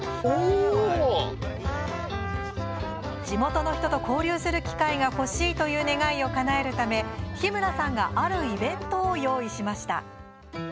地元の人と交流する機会が欲しいという願いをかなえるため日村さんがあるイベントを用意しました。